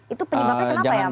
itu penyebabnya kenapa ya